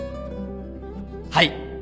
はい。